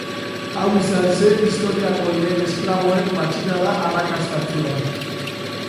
Hau izan zen historiako lehen esklaboen matxinada arrakastatsua.